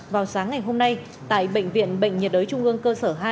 vào sáng ngày hôm nay tại bệnh viện bệnh nhiệt đới trung ương cơ sở hai